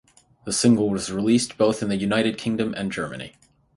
The single was released both in the United Kingdom and Germany.